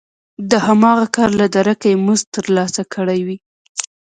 د هماغه کار له درکه یې مزد ترلاسه کړی وي